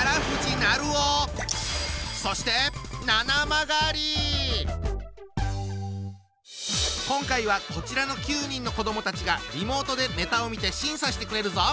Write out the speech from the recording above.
そして今回はこちらの９人の子どもたちがリモートでネタを見て審査してくれるぞ！